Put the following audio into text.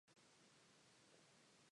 It is located near Beckum.